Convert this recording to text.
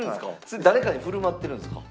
それ誰かに振る舞ってるんですか？